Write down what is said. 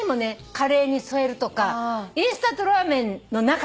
カレーに添えるとかインスタントラーメンの中入れちゃいます。